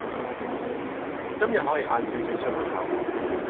今日可以晏少少出門口